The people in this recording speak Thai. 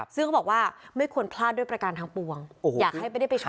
ซึ่งเขาบอกว่าไม่ควรพลาดด้วยประการทางปวงอยากให้ไม่ได้ไปใช้